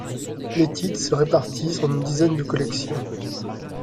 Les titres se répartissent en une dizaine de collections.